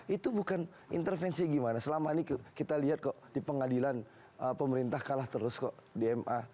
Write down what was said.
itu bukan intervensi gimana selama ini kita lihat kok di pengadilan pemerintah kalah terus kok di ma